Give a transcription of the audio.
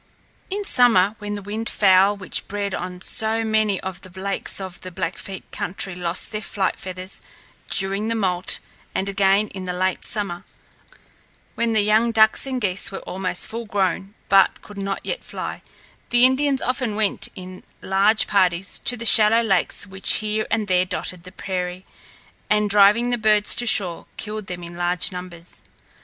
In summer, when the wildfowl which bred on so many of the lakes in the Blackfeet country lost their flight feathers, during the moult, and again in the late summer, when the young ducks and geese were almost fullgrown but could not yet fly, the Indians often went in large parties to the shallow lakes which here and there dotted the prairie, and, driving the birds to shore, killed them in large numbers.